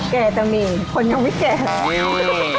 แก่แต่หมี่คนยังไม่แก่แล้ว